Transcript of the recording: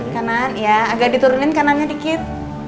karena ya agak diturunin kanannya dikit